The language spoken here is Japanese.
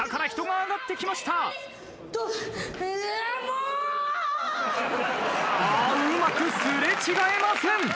うまく擦れ違えません。